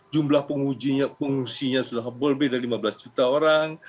jumlah pengungsinya sudah lebih dari lima belas juta orang